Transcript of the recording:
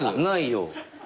ないよ。